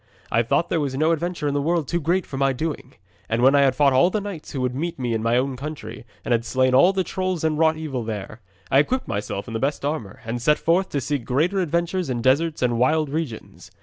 I thought there was no adventure in the world too great for my doing, and when I had fought all the knights who would meet me in my own country, and had slain all the trolls that wrought evil there, I equipped myself in my best armour and set forth to seek greater adventures in deserts and wild regions.